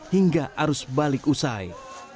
hingga arus balik usai